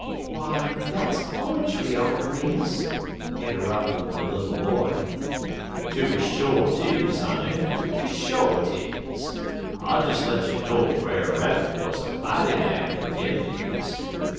'" "Why, that's poetry, Uncle Remus!" interrupted the little boy. "Tooby sho' 't is, honey! tooby sho' 't is. I des let you know Brer Rabbit 'uz a mighty man in dem days.